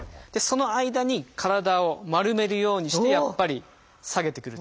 その間に体を丸めるようにして下げてくると。